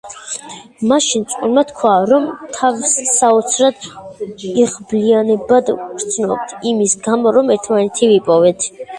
მაშინ წყვილმა თქვა, რომ „თავს საოცრად იღბლიანებად ვგრძნობთ იმის გამო, რომ ერთმანეთი ვიპოვეთ.